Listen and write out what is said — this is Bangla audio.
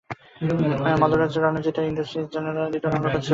মদ্ররাজ্যের রণজিৎ এবং ইন্দ্রজিৎ যেন দ্বিতীয় রামলক্ষ্মণ ছিলেন।